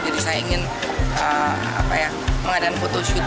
jadi saya ingin mengadakan photoshoot